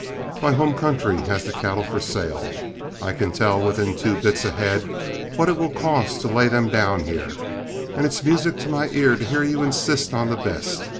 My home country has the cattle for sale; I can tell within two bits a head what it will cost to lay them down here, and it's music to my ear to hear you insist on the best.